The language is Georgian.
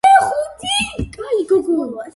დარბაზის სამივე კედლის საფეხური გასდევს.